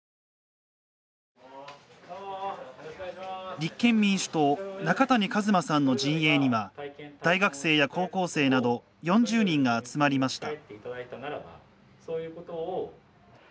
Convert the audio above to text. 立憲民主党・中谷一馬さんの陣営には、大学生や高校生など４０人が集まりました。